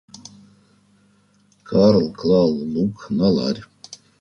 Карл клал лук на ларь.